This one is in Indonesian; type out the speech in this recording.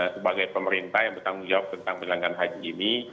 sebagai pemerintah yang bertanggung jawab tentang penyelenggaraan haji ini